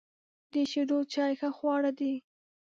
د شیدو چای ښه خواړه دي.